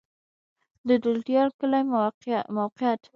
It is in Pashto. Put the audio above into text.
د دولتيار کلی موقعیت